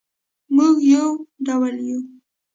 مونږ یو ډول یو